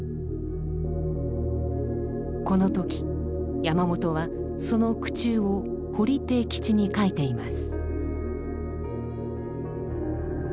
この時山本はその苦衷を堀悌吉に書いています。